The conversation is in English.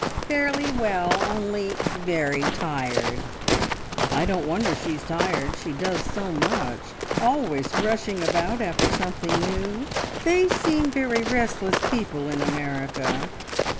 "Fairly well, only ... Very tired." "I don't wonder she is tired; she does so much. Always rushing about after something new. They seem very restless people in America."